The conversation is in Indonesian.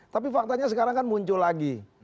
tapi faktanya sekarang kan muncul lagi